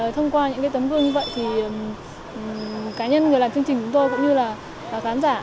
thông qua những tấm gương như vậy thì cá nhân người làm chương trình chúng tôi cũng như là khán giả